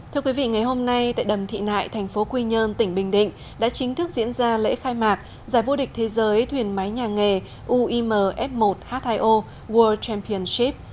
thưa quý vị ngày hôm nay tại đầm thị nại thành phố quy nhơn tỉnh bình định đã chính thức diễn ra lễ khai mạc giải vua địch thế giới thuyền máy nhà nghề uimf một hio world championship